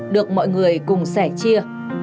được mọi người cùng sẻ chia